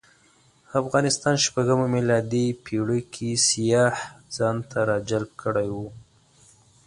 افغانستان شپږمه میلادي پېړۍ کې سیاح ځانته راجلب کړی و.